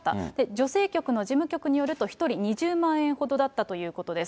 女性局の事務局によると１人２０万円ほどだったということです。